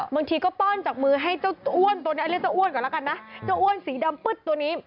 บางทีก็ป้อนจากมือให้เจ้าอ้วนตัวนี้เรียกเจ้าอ้วนก่อนแล้วกันนะเจ้าอ้วนสีดำปึ๊ดตัวนี้